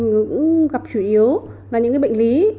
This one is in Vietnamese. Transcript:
hô hấp chủ yếu là những bệnh lý